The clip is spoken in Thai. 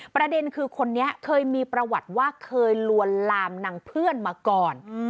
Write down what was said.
ประเด็นคือคนนี้เคยมีประวัติว่าเคยลวนลามนางเพื่อนมาก่อน